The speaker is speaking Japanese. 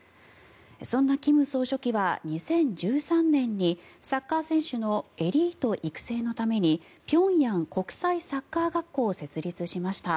そんな金総書記は２０１３年にサッカー選手のエリート育成のために平壌国際サッカー学校を設立しました。